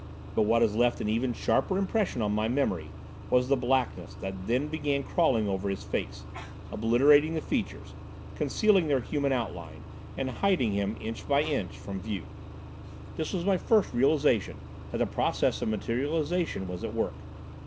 But what has left an even sharper impression on my memory was the blackness that then began crawling over his face, obliterating the features, concealing their human outline, and hiding him inch by inch from view. This was my first realisation that the process of materialisation was at work.